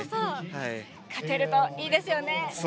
勝てるといいですよね。